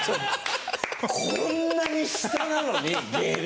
こんなに下なのに芸歴。